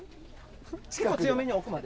結構強めに奥まで。